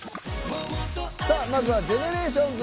まずは、ＧＥＮＥＲＡＴＩＯＮＳ。